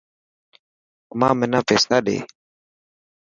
امان منا پيسا ڏي.